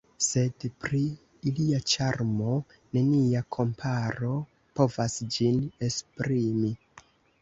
Sed pri ilia ĉarmo, nenia komparo povas ĝin esprimi.